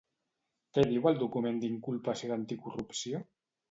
Què diu el document d'inculpació d'Anticorrupció?